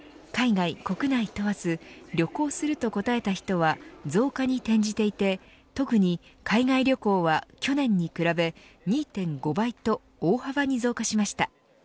海外、国内問わず旅行すると答えた人は増加に転じていて特に海外旅行は、去年に比べ２．５倍と大幅に増加しました。